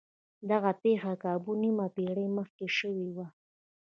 دغه پېښه کابو نيمه پېړۍ مخکې شوې وه.